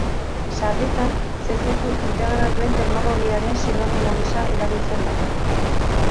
Sarritan, zirkuitu integratuen teknologiaren sinonimo gisa erabiltzen da.